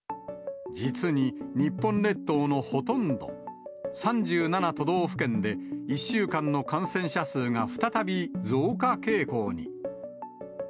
実に日本列島のほとんど、３７都道府県で１週間の感染者数が再び増加傾向に。